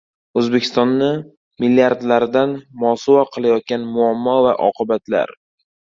O‘zbekistonni milliardlardan mosuvo qilayotgan muammo va oqibatlar